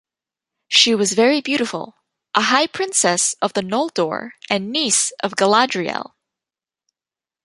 She was very beautiful, a high princess of the Noldor and niece of Galadriel.